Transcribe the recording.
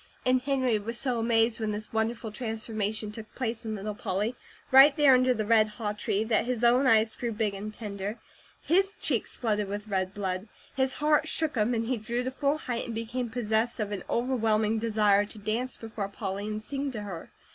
And Henry was so amazed when this wonderful transformation took place in little Polly, right there under the red haw tree, that his own eyes grew big and tender, his cheeks flooded with red blood, his heart shook him, and he drew to full height, and became possessed of an overwhelming desire to dance before Polly, and sing to her.